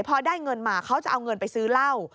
พอได้เงินมาเขาจะเอาเงินไปซื้อเหล้า